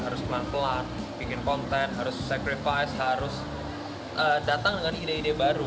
harus pelan pelan bikin konten harus secrevice harus datang dengan ide ide baru